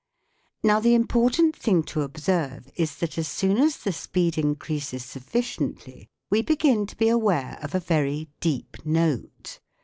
Now the important thing to observe is that as soon as the speed increases sufficiently we begin to be aware of a very deep note.